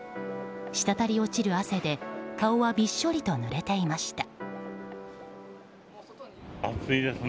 滴り落ちる汗で顔はびっしょりとぬれていました。